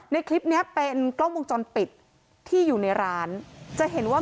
ในคลิปเนี้ยเป็นกล้องวงจรปิดที่อยู่ในร้านจะเห็นว่า